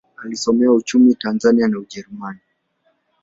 Alisomea uchumi Tanzania na Ujerumani.